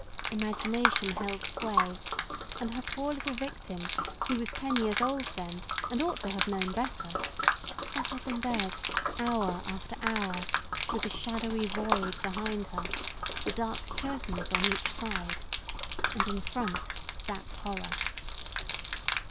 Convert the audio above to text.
Imagination held sway, and her poor little victim, who was ten years old then, and ought to have renown better, sat up in bed, hour after hour, with the shadowy void behind lien The dark curtains on each side, and in front that horror.